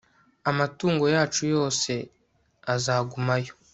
amatungo yacu yose azagumayo